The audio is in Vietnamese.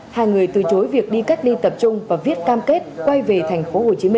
hai người từ chối việc đi cách ly tập trung và viết cam kết quay về tp hcm